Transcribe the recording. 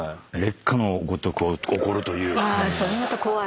それまた怖い。